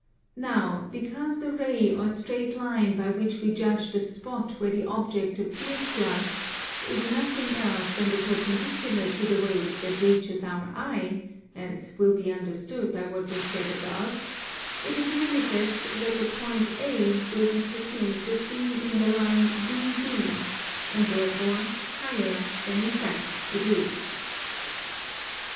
Now because the ray or straight line by which we judge the spot where the object appears to us is nothing else than the perpendicular to the wave that reaches our eye, as will be understood by what was said above, it is manifest that the point A will be perceived as being in the line BD, and therefore higher than in fact it is.